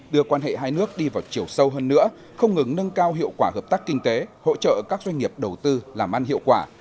đưa quan hệ hai nước đi vào chiều sâu hơn nữa không ngừng nâng cao hiệu quả hợp tác kinh tế hỗ trợ các doanh nghiệp đầu tư làm ăn hiệu quả